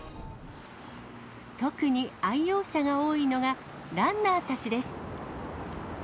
特に愛用者が多いのがランナーたちです。